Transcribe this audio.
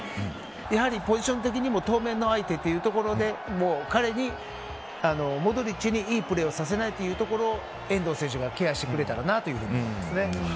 やはりポジション的にも当面の相手ということでモドリッチにいいプレーをさせないというところを遠藤選手がケアしてくれたらなと思いますね。